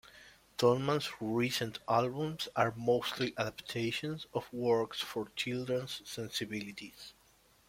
Tallman's recent albums are mostly adaptations of works for children's sensibilities.